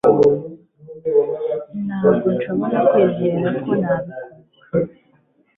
ntabwo nshobora kwizera ko nabikoze